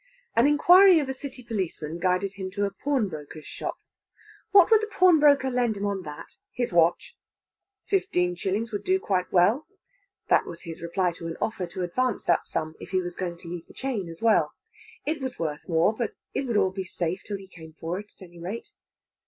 An inquiry of a City policeman guided him to a pawnbroker's shop. What would the pawnbroker lend him on that his watch? Fifteen shillings would do quite well. That was his reply to an offer to advance that sum, if he was going to leave the chain as well. It was worth more, but it would be all safe till he came for it, at any rate.